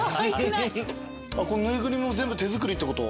この縫いぐるみも全部手作りってこと？